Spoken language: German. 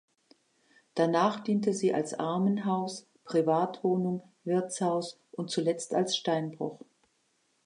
Danach diente sie als Armenhaus, Privatwohnung, Wirtshaus und zuletzt als Steinbruch.